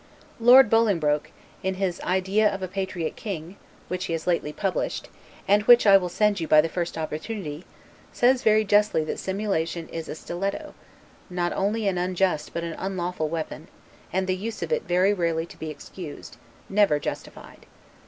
Lord Bolingbroke, in his "Idea of a Patriot King," which he has lately published, and which I will send you by the first opportunity, says very justly that simulation is a STILETTO, not only an unjust but an unlawful weapon, and the use of it very rarely to be excused, never justified.